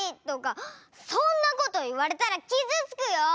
そんなこといわれたらきずつくよ！